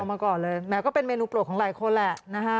มาก่อนเลยแม้ก็เป็นเมนูโปรดของหลายคนแหละนะฮะ